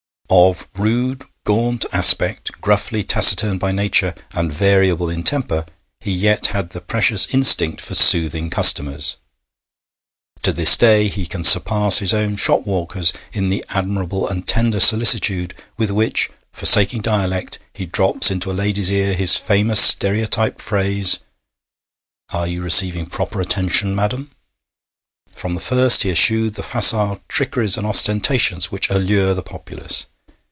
Of rude, gaunt aspect, gruffly taciturn by nature, and variable in temper, he yet had the precious instinct for soothing customers. To this day he can surpass his own shop walkers in the admirable and tender solicitude with which, forsaking dialect, he drops into a lady's ear his famous stereotyped phrase: 'Are you receiving proper attention, madam?' From the first he eschewed the facile trickeries and ostentations which allure the populace.